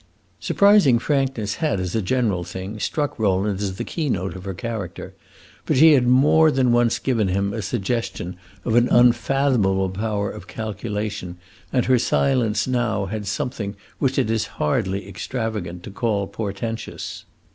Surprising frankness had, as a general thing, struck Rowland as the key note of her character, but she had more than once given him a suggestion of an unfathomable power of calculation, and her silence now had something which it is hardly extravagant to call portentous.